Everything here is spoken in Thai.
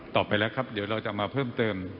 ต่อไปแล้วครับเดี๋ยวเราจะมาเพิ่มเติม